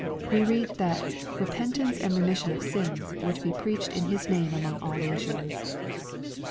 We read that " repent ance and remission of sins" were to be preached in His name among all nations.